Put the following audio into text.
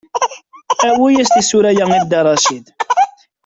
Awi-yas tisura-ya i Dda Racid.